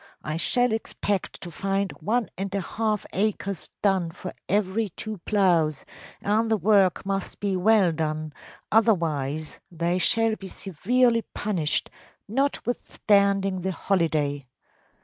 I shall expect to find one and a half acres done for every two ploughs, and the work must be well done; otherwise they shall be severely punished, notwithstanding the holiday.